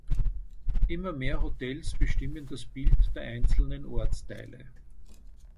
Immer mehr Hotels bestimmen das Bild der einzelnen Ortsteile.